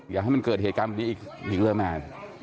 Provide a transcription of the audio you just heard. อย่าให้มันเกิดเหตุการณ์แบบนี้อีกถึงเลยแม่